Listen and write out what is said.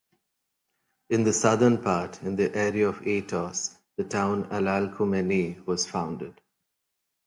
In the southern part, in the area of Aetos, the town Alalcomenae was founded.